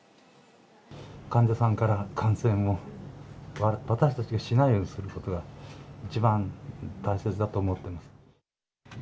患者さんから感染を、私たちがしないようにすることが、一番大切だと思ってます。